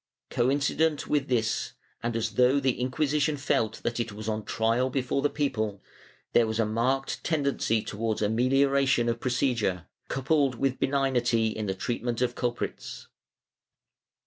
Coincident with this, and as though the Inquisition felt that it was on trial before the people, there was a marked tendency towards amelioration of procedure, coupled with benignity in treatment of culprits.